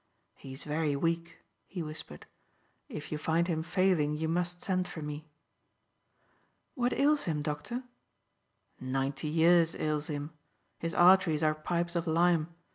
"He is very weak," he whispered. "If you find him failing you must send for me." "What ails him, doctor?" "Ninety years ails him. His arteries are pipes of lime.